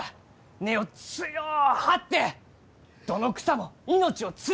根を強う張ってどの草も命をつないでいく！